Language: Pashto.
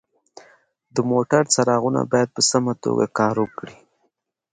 د موټر څراغونه باید په سمه توګه کار وکړي.